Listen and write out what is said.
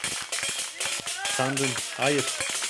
Tanrım, hayır!